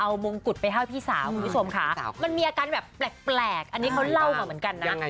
เอามงกุฎไปให้พี่สาวคุณผู้ชมค่ะมันมีอาการแบบแปลกอันนี้เขาเล่ามาเหมือนกันนะ